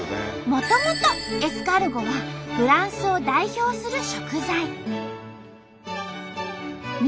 もともとエスカルゴはフランスを代表する食材。